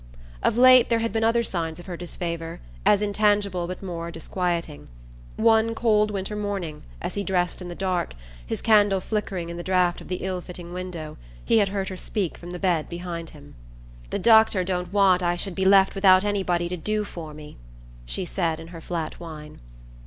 Of late there had been other signs of her disfavour, as intangible but more disquieting. One cold winter morning, as he dressed in the dark, his candle flickering in the draught of the ill fitting window, he had heard her speak from the bed behind him. "The doctor don't want I should be left without anybody to do for me," she said in her flat whine.